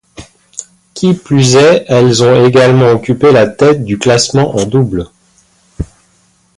Qui plus est, elles ont également occupé la tête du classement en double.